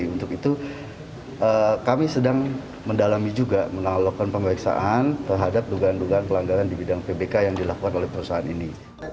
untuk itu kami sedang mendalami juga melakukan pemeriksaan terhadap dugaan dugaan pelanggaran di bidang pbk yang dilakukan oleh perusahaan ini